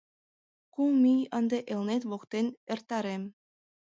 Кум ий ынде Элнет воктен эртарем.